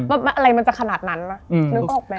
อะไรมันจะขนาดนั้นวะนึกออกไหม